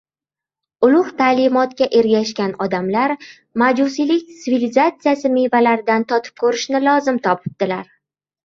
Ulug‘ ta’limotga ergashgan odamlar majusiylik tsivilizatsiyasi mevalaridan totib ko‘rishni lozim topibdilar.